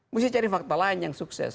mesti cari fakta lain yang sukses